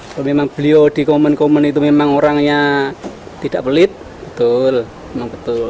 kalau memang beliau di komen komen itu memang orangnya tidak pelit betul memang betul